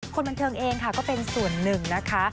คนบันเทิงเองค่ะก็เป็นส่วนหนึ่งนะคะ